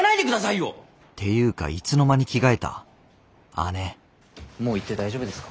姉もう行って大丈夫ですか？